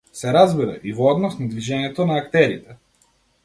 Се разбира, и во однос на движењето на актерите.